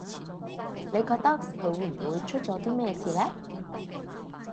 你覺得佢會唔會出咗啲咩事呢